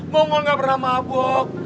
mongol gabernah mabuk